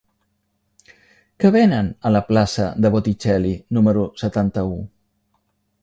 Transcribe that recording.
Què venen a la plaça de Botticelli número setanta-u?